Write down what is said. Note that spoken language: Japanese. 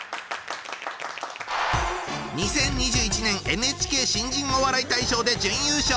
２０２１年ＮＨＫ新人お笑い大賞で準優勝。